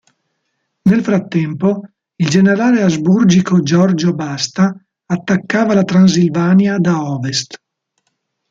Nel frattempo il generale asburgico Giorgio Basta attaccava la Transilvania da Ovest.